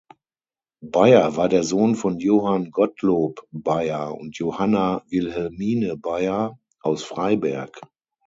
Beyer war der Sohn von Johann Gottlob Beyer und Johanna Wilhelmine Beyer aus Freiberg.